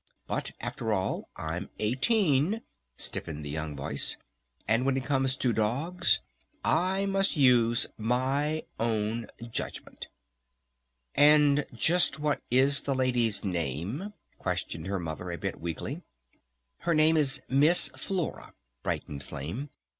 But after all, I'm eighteen," stiffened the young voice. "And when it comes to dogs I must use my own judgment!" "And just what is the lady's name?" questioned her Mother a bit weakly. "Her name is 'Miss Flora'!" brightened Flame.